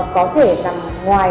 có thể nằm ngoài